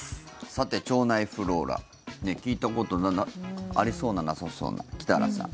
さて腸内フローラ聞いたことありそうななさそうな北原さん。